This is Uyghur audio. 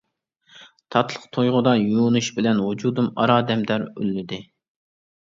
تاتلىق تۇيغۇدا يۇيۇنۇش بىلەن، ۋۇجۇدۇم ئارا دەمدەر ئۈنلىدى.